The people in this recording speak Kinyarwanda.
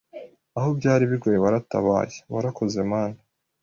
aho byari bigoye waratabaye warakoze mana